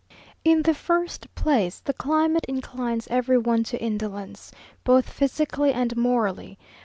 In the first place, the climate inclines every one to indolence, both physically and morally.